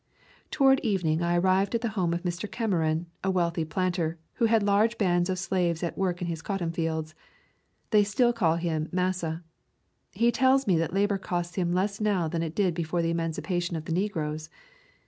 Toward evening I arrived at the home of Mr. Cameron, a wealthy planter, who had large bands of slaves at work in his cotton fields. They still call him "Massa." He tells me that labor costs him less now than it did before the emancipation of the negroes.